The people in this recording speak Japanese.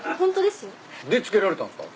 で付けられたんすか？